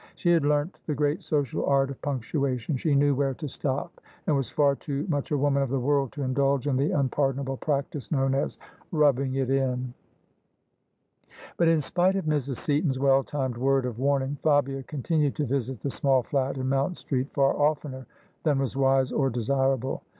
She had learnt the great social art of punctuation — she knew where to stop; and was far too much a woman of the world to indulge in the unpardonable practice known as " rubbing it in." [ 249 ]' THE SUBJECTION But in spite of Mrs. Seaton's well timed word of warn ing, Fabia continued to visit the small flat in Mount Street far oftener than was wise or desirable.